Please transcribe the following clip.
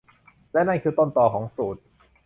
และนั่นคือต้นตอของสูต